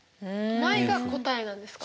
ないが答えなんですか？